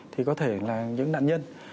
thì có thể là những nạn nhân